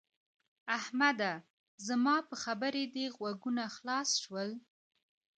احمده! زما په خبره دې غوږونه خلاص شول؟